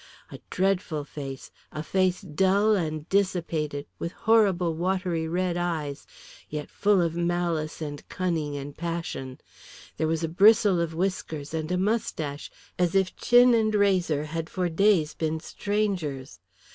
A dreadful face, a face dull and dissipated, with horrible watery red eyes, yet full of malice and cunning and passion. There was a bristle of whiskers and a moustache, as if chin and razor had for days been strangers.